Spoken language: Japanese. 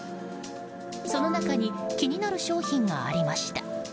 その中に気になる商品がありました。